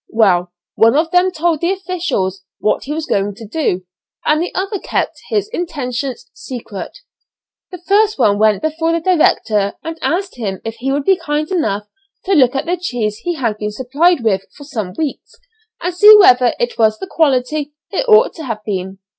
Well, one of them told the officials what he was going to do, and the other kept his intentions secret. The first one went before the director and asked him if he would be kind enough to look at the cheese he had been supplied with for some weeks, and see whether it was the quality it ought to have been.